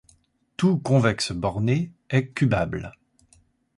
Tout convexe borné est cubable.